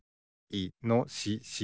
いのしし。